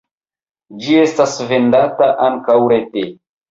Ĝi estas vendata ankaŭ rete.